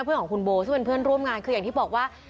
เพื่อนของคุณโบซึ่งเป็นเพื่อนร่วมงานคืออย่างที่บอกว่า